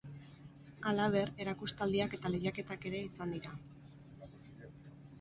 Halaber, erakustaldiak eta lehiaketak ere izan dira.